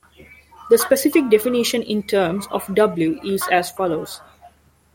The specific definition in terms of "W" is as follows.